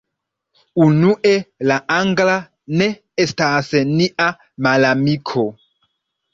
Unue, la angla ne estas nia malamiko.